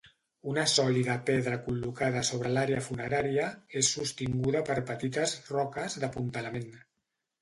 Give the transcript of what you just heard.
Una sòlida pedra col·locada sobre l'àrea funerària és sostinguda per petites roques d'apuntalament.